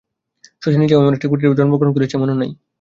শশী নিজেও এমনি একটি কুটিরে জন্মগ্রহণ করিয়াছে, মনে নাই।